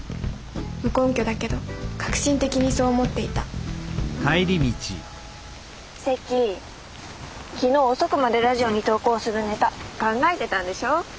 無根拠だけど確信的にそう思っていた関昨日遅くまでラジオに投稿するネタ考えてたんでしょ？